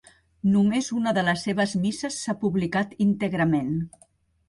Només una de les seves misses s'ha publicat íntegrament.